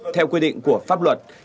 theo quy định của pháp luật